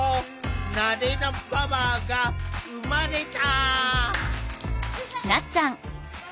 「慣れのパワー」が生まれた！